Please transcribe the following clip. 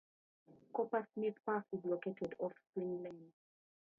Coopersmith Park is located off Spring Lane.